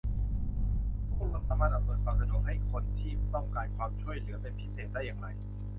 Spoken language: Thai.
พวกเราสามารถอำนวยความสะดวกให้คนที่ต้องการความช่วยเหลือเป็นพิเศษได้อย่างไร